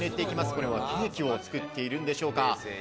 これはケーキを作っているんでしょうか。